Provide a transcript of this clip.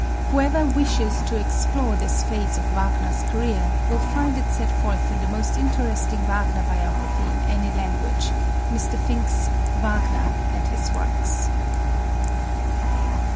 Whoever wishes to explore this phase of Wagner's career will find it set forth in the most interesting Wagner biography in any language, Mr. Finck's "Wagner and His Works."